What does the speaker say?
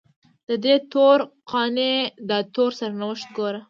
ددې تور قانع داتور سرنوشت ګوره